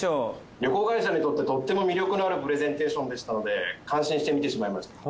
旅行会社にとってとっても魅力のあるプレゼンテーションでしたので感心して見てしまいました。